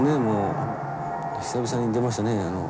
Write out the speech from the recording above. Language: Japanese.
もう久々に出ましたね